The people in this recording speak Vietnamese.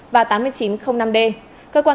và tám nghìn chín trăm linh năm d cơ quan